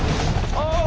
ああ！